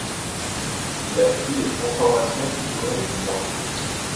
Il a subi des transformations tout au long de son parcours.